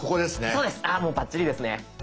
そうですあもうバッチリですね。